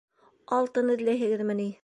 — Алтын эҙләйһегеҙме ни?